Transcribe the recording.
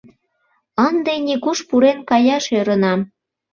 — Ынде нигуш пурен каяш ӧрынам.